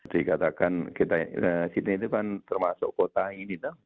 dikatakan sydney itu kan termasuk kota ini